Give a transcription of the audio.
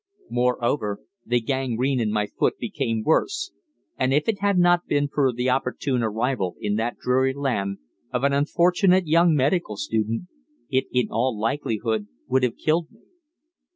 Moreover, the gangrene in my foot became worse, and if it had not been for the opportune arrival in that dreary land of an unfortunate young medical student, it in all likelihood would have killed me.